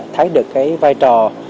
thái được vai trò